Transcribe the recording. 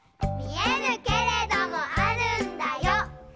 「見えぬけれどもあるんだよ」